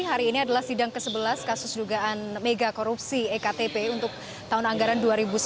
hari ini adalah sidang ke sebelas kasus dugaan mega korupsi iktp untuk tahun anggaran dua ribu sebelas dua ribu dua belas